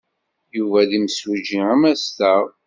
Yuba d imsujji amastaɣ.